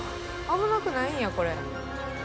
危なくないんやこれ。